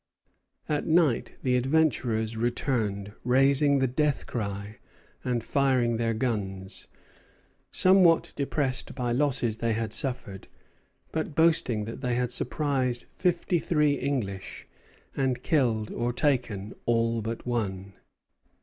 At night the adventurers returned, raising the death cry and firing their guns; somewhat depressed by losses they had suffered, but boasting that they had surprised fifty three English, and killed or taken all but one.